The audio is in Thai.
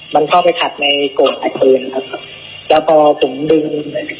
มันเข้าไปขัดในโกรธไอ้ปืนครับแล้วพอผมดึง